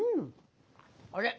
あれ？